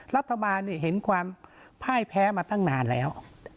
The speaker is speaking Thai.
รัฐบาลเห็นความพ่ายแพ้มาตั้งนานแล้ว